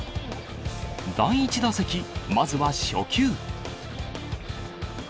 第１打席、まずは初球。